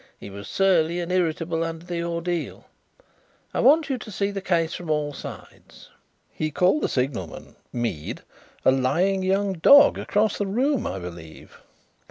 He was surly and irritable under the ordeal. I want you to see the case from all sides." "He called the signalman Mead a 'lying young dog,' across the room, I believe.